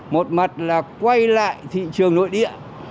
một mặt là quay lại thị trường nội địa